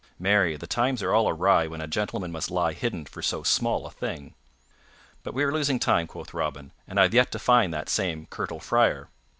Marry, the times are all awry when a gentleman must lie hidden for so small a thing." "But we are losing time," quoth Robin, "and I have yet to find that same Curtal Friar."